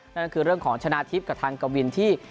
นั่นก็คือเรื่องของชนะทิพย์กับทางกวินที่